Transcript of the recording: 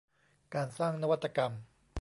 การสร้างนวัตกรรม